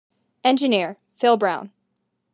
Engineer: Phill Brown.